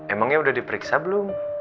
emangnya udah diperiksa belum